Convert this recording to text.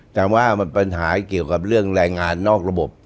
แต่ว่ามันปัญหาเกี่ยวกับเรื่องแรงงานนอกระบบ